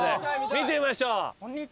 見てみましょう。